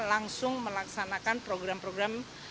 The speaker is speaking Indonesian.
langsung melaksanakan program program